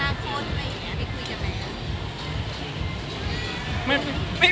ไม่ได้คุยกันมั้ยคะ